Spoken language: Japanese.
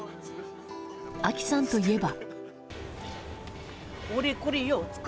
あきさんといえば。